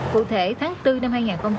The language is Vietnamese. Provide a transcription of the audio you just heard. phụ thể tháng bốn năm hai nghìn hai mươi